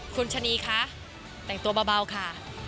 คุณชะนีคะแต่งตัวเบาค่ะ